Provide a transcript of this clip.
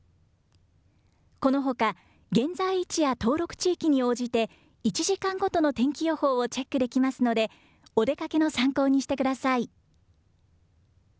このほか、現在位置や登録地域に応じて、１時間ごとの天気予報をチェックできますので、お出かけの参考にしてください。